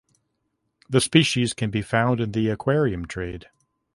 The species can be found in the aquarium trade.